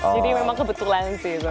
jadi memang kebetulan sih